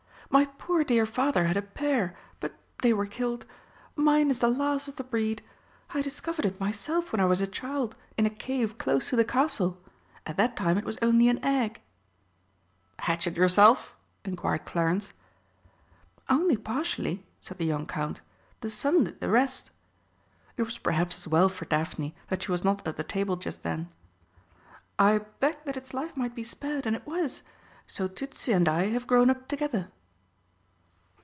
"My poor dear Father had a pair, but they were killed. Mine is the last of the breed. I discovered it myself when I was a child in a cave close to the castle. At that time it was only an egg." "Hatch it yourself?" inquired Clarence. "Only partially," said the young Count; "the sun did the rest." (It was perhaps as well for Daphne that she was not at the table just then.) "I begged that its life might be spared, and it was. So Tützi and I have grown up together."